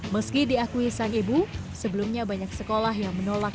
meski diakui sang ibu sebelumnya banyak sekolah yang menolak